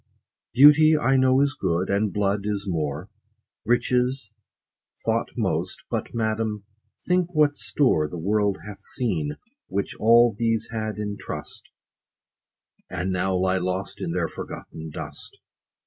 Beauty I know is good, and blood is more ; Riches thought most ; but, madam, think what store The world hath seen, which all these had in trust, 30 And now lie lost in their forgotten dust.